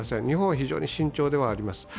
日本は非常に慎重ではあります。